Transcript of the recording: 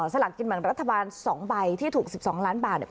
สลักกิจหมันรัฐบาลสองใบที่ถูกสิบสองล้านบาทเนี่ย